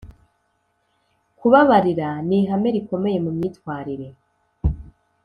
kubabarira ni ihame rikomeye mu myitwarire